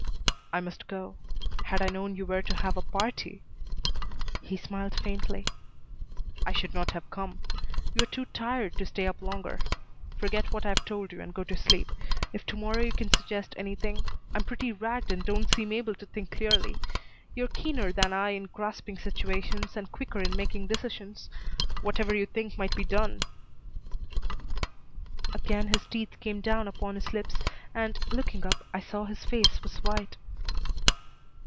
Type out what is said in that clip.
"I must go. Had I known you were to have a party" he smiled faintly "I should not have come. You are too tired to stay up longer. Forget what I've told you and go to sleep. If tomorrow you can suggest anything I'm pretty ragged and don't seem able to think clearly. You are keener than I in grasping situations, and quicker in making decisions. Whatever you think might be done " Again his teeth came down upon his lips, and, looking up, I saw his face was white.